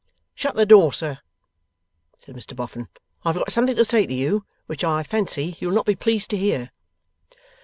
'Shut the door, sir!' said Mr Boffin. 'I have got something to say to you which I fancy you'll not be pleased to hear.